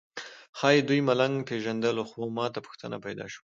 ښایي دوی ملنګ پېژندلو خو ماته پوښتنه پیدا شوه.